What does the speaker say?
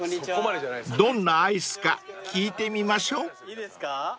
［どんなアイスか聞いてみましょう］